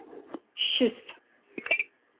Щыс!